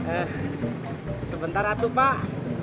eh sebentar atuh pak